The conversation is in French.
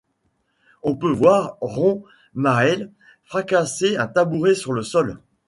On peut voir Ron Mael fracasser un tabouret sur le sol.